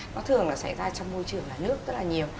nó thường là xảy ra trong môi trường nhà nước rất là nhiều